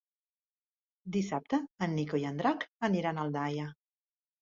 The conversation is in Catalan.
Dissabte en Nico i en Drac aniran a Aldaia.